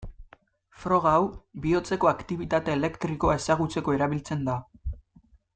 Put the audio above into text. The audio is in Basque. Froga hau bihotzeko aktibitate elektrikoa ezagutzeko erabiltzen da.